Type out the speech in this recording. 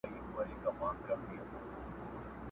قلندر ويله هلته بيزووانه!.